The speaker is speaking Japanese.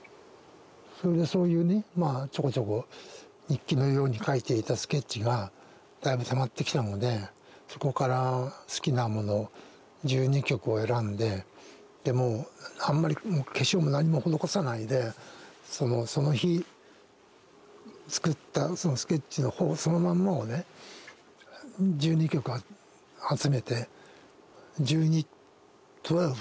それでそういうねちょこちょこ日記のように書いていたスケッチがだいぶたまってきたのでそこから好きなもの１２曲を選んででもうあんまり化粧も何も施さないでその日作ったそのスケッチのほぼそのまんまをね１２曲集めて「１２」というタイトルで出す予定です。